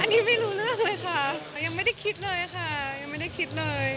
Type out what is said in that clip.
อันนี้ไม่รู้เรื่องเลยค่ะยังไม่ได้คิดเลยค่ะยังไม่ได้คิดเลย